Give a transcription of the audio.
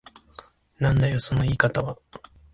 なんだよその言い方は。